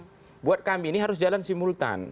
karena buat kami ini harus jalan simultan